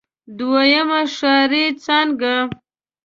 دويمه ښاري څانګه.